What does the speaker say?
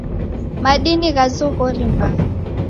Madini gha zoghori mbaa.